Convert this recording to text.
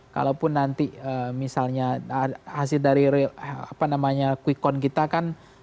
kalau pun nanti misalnya hasil dari apa namanya quick con kita kan